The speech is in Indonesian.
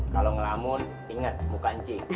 kalau ngelamun inget muka ancing